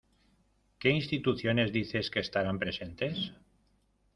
¿Qué instituciones dices que estarán presentes?